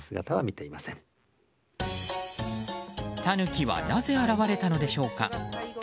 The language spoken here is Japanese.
タヌキはなぜ現れたのでしょうか。